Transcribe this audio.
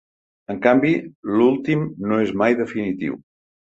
En canvi, l'últim no és mai definitiu.